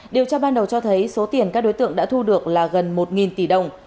điều tra ban đầu cho thấy số tiền các đối tượng đã thu được là gần một tỷ đồng